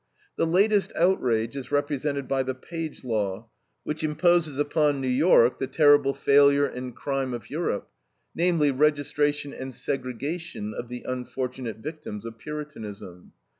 The latest outrage is represented by the Page Law, which imposes upon New York the terrible failure and crime of Europe; namely, registration and segregation of the unfortunate victims of Puritanism.